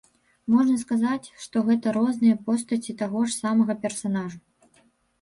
Можна сказаць, што гэта розныя постаці таго ж смага персанажу.